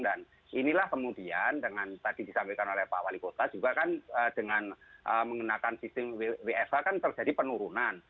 dan inilah kemudian dengan tadi disampaikan oleh pak wali kota juga kan dengan mengenakan sistem wsa kan terjadi penurunan